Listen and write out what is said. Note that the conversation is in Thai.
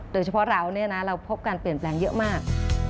โดยเฉพาะเราเราพบการเปลี่ยนแปลงเยอะมาก